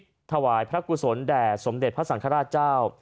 ถวายพระกุศลแด่สมเด็จพระสังฆราชเจ้า